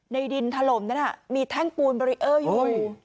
ดินถล่มนั้นมีแท่งปูนเบรีเออร์อยู่